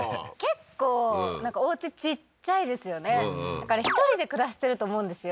だから１人で暮らしてると思うんですよ